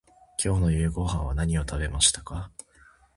今日の夕ごはんは何を食べましたか。